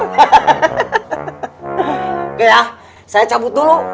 oke ya saya cabut dulu